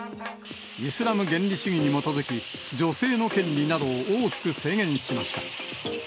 イスラム原理主義に基づき、女性の権利などを大きく制限しました。